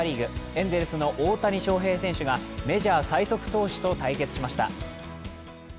エンゼルスの大谷翔平選手がメジャー最速投手と対決しました。